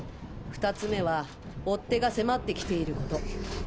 ２つ目は追っ手が迫って来ている事。